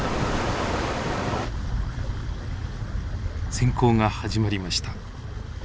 潜行が始まりました。